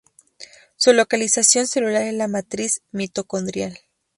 Su localización celular es la matriz mitocondrial.